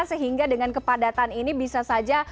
sehingga dengan kepadatan ini bisa saja